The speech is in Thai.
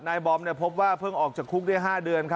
บอมพบว่าเพิ่งออกจากคุกได้๕เดือน